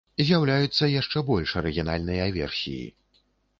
З'яўляюцца яшчэ больш арыгінальныя версіі.